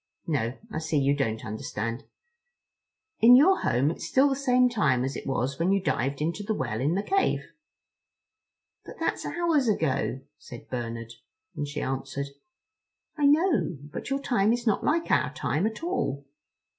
No, I see you don't understand. In your home it's still the same time as it was when you dived into the well in the cave." "But that's hours ago," said Bernard; and she answered: "I know. But your time is not like our time at all."